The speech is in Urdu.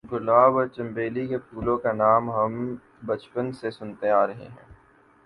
گلاب اور چنبیلی کے پھولوں کا نام ہم بچپن سے سنتے آ رہے ہیں۔